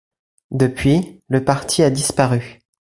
Depuis, le parti a disparu.